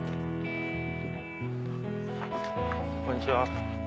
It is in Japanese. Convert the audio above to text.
こんにちは。